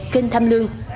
kênh tham lương